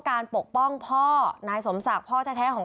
ถ้าหนูทำแบบนั้นพ่อจะไม่มีรับบายเจ้าให้หนูได้เอง